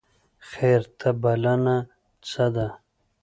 خیر ته بلنه څه ده؟